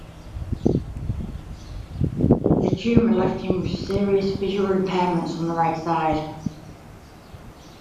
The tumor left him with serious visual impairments on the right side.